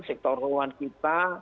sektor ruang kita